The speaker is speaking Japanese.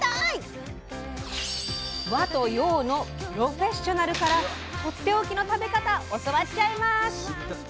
和と洋のプロフェッショナルからとっておきの食べ方教わっちゃいます！